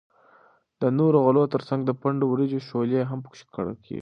د نورو غلو تر څنگ د پنډو وریجو شولې هم پکښی کرل کیږي.